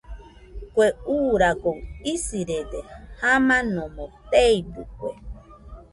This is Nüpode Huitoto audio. Kue uuragoɨ isirede, jamanomo teidɨkue.